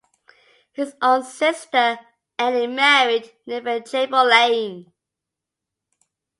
His own sister Annie married Neville Chamberlain.